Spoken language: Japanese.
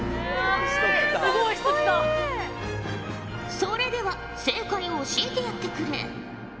それでは正解を教えてやってくれ。